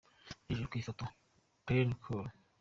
Hejuru ku ifoto : Preneet Kaur.